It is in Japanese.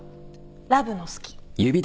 ラブの好き。